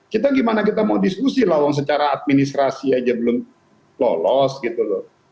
kita gimana kita mau diskusi lah wong secara administrasi aja belum lolos gitu loh